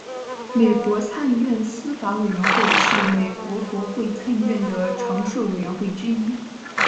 美国参议院司法委员会是美国国会参议院的常设委员会之一。